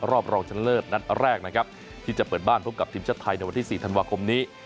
รองชนะเลิศนัดแรกนะครับที่จะเปิดบ้านพบกับทีมชาติไทยในวันที่๔ธันวาคมนี้